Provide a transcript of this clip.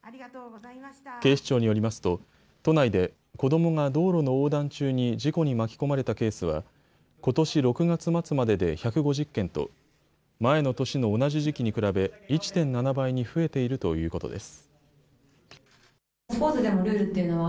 警視庁によりますと都内で子どもが道路の横断中に事故に巻き込まれたケースはことし６月末までで１５０件と前の年の同じ時期に比べ１．７倍に増えているということです。